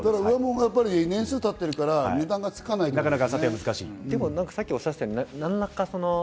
年数経ってるから値段がつかないから。